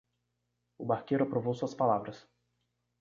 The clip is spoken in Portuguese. O barqueiro aprovou suas palavras.